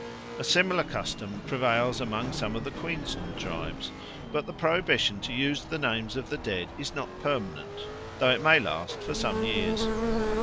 A similar custom prevails among some of the Queensland tribes; but the prohibition to use the names of the dead is not permanent, though it may last for many years.